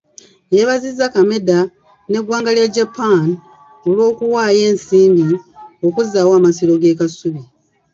Yeebazizza Kameda n'eggwanga lya Japan olw'okuwaayo ensimbi okuzzaawo amasiro g'e Kasubi.